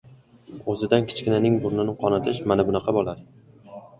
— O‘zidan kichkinaning burnini qonatish mana bunaqa bo‘ladi!